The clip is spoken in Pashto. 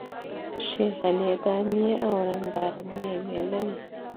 ښې غلې دانې او رنگا رنگ میوې لري،